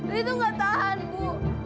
lia tuh gak tahan ibu